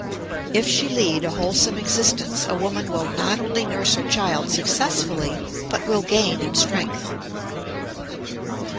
If she lead a wholesome existence a woman will not only nurse her child successfully but will gain in strength.